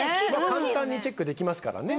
簡単にチェックできますからね